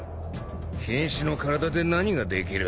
瀕死の体で何ができる？